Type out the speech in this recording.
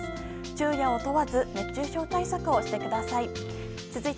昼夜を問わず熱中症対策をしてください。